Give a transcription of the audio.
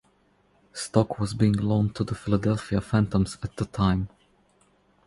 Stock was being loaned to the Philadelphia Phantoms at the time.